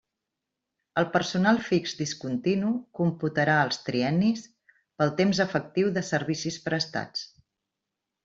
El personal fix discontinu computarà els triennis pel temps efectiu de servicis prestats.